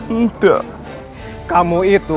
tidak kamu itu